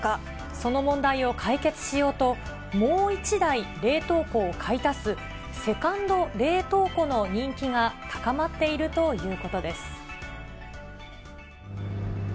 その問題を解決しようと、もう１台、冷凍庫を買い足すセカンド冷凍庫の人気が高まっているということです。